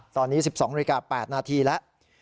ตอนนี้๑๒นาฬิกา๘นาทีแล้ว